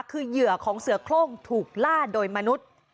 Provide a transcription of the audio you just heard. คือเหยื่อของเสือโครงถูกล่าโดยมนุษย์